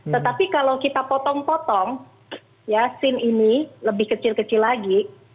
tetapi kalau kita potong potong ya scene ini lebih kecil kecil lagi